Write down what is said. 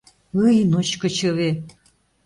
Ый, ночко чыве!